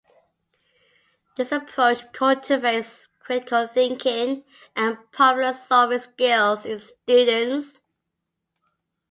This approach cultivates critical thinking and problem-solving skills in students.